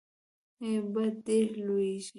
باد ډیر لږیږي